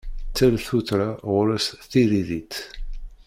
Tal tuttra ɣur-s tiririt.